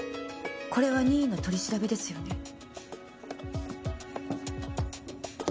これは任意の取り調べですよね？